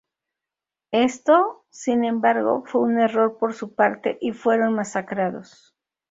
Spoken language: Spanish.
Esto, sin embargo, fue un error por su parte y fueron masacrados.